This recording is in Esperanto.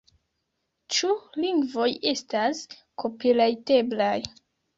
Ĉu lingvoj estas kopirajteblaj